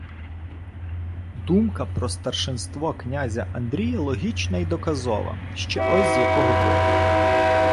Думка про старшинство князя Андрія логічна й доказова ще ось із якого боку